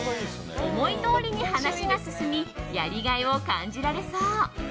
思いどおりに話が進みやりがいを感じられそう。